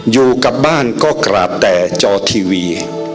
อยู่กับบ้านก็กราบแต่จอทีวี